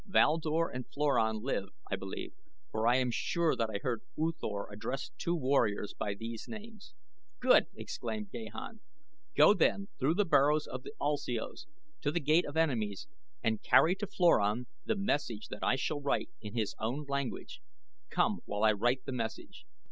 Val Dor and Floran live, I believe, for I am sure that I heard U Thor address two warriors by these names." "Good!" exclaimed Gahan. "Go then, through the burrows of the ulsios, to The Gate of Enemies and carry to Floran the message that I shall write in his own language. Come, while I write the message."